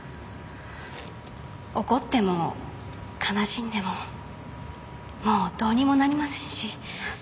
怒っても悲しんでももうどうにもなりませんし。